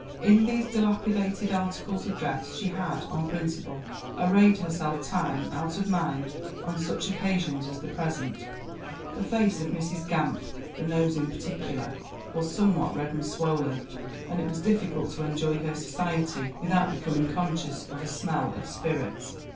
In these dilapidated articles of dress she had, on principle, arrayed herself, time out of mind on such occasions as the present; ... The face of Mrs Gamp the nose in particular was somewhat red and swollen, and it was difficult to enjoy her society without becoming conscious of a smell of spirits."